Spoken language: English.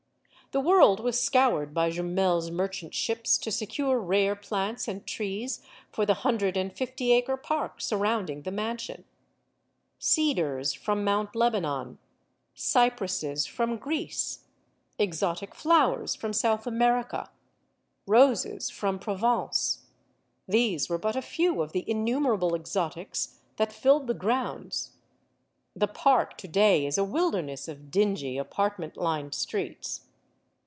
The world was scoured by Jumel's merchant ships to secure rare plants and trees for the hundred and fifty acre park surrounding the mansion. Cedars from Mount Lebanon, cypresses from Greece, exotic flowers from South America, roses from Provence these were but a few of the innumerable exotics that filled the grounds. (The "park," to day, is a wilderness of dingy, apartment lined streets).